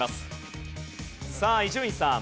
さあ伊集院さん。